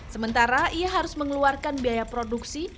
sementara ia harus mengeluarkan biaya produksi